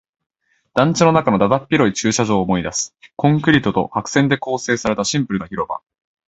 団地の中のだだっ広い駐車場を思い出す。コンクリートと白線で構成されたシンプルな広場。